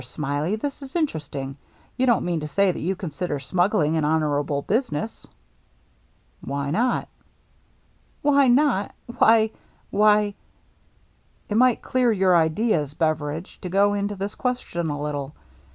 Smiley, this is interesting. You don't mean to say that you consider smuggling an honorable business ?" "Why not?" " Why not ! Why — why —"" It might clear your ideas, Beveridge, to go into this question a little.